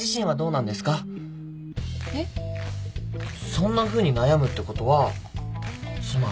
そんなふうに悩むってことはつまり。